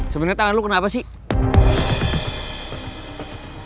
sebenarnya tangan lo kenapa sih